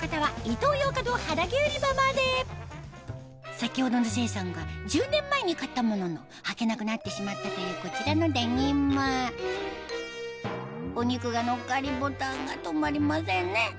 先程の清さんが１０年前に買ったもののはけなくなってしまったというこちらのデニムお肉が乗っかりボタンが留まりませんね